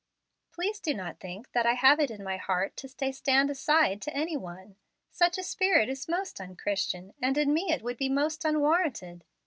"Please do not think that I have it in my heart to say 'Stand aside' to any one. Such a spirit is most unchristian, and in me would be most unwarranted.